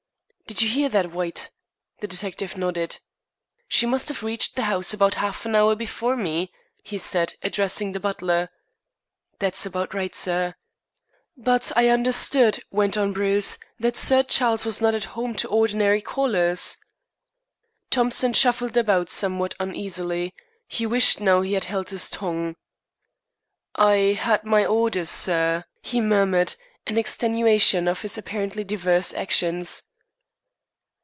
"Do you hear that, White?" The detective nodded. "She must have reached the house about half an hour before me," he said, addressing the butler. "That's about right, sir." "But I understood," went on Bruce, "that Sir Charles was not at home to ordinary callers?" Thompson shuffled about somewhat uneasily. He wished now he had held his tongue. "I had my orders, sir," he murmured, in extenuation of his apparently diverse actions.